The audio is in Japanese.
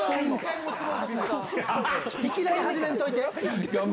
いきなり始めんといて。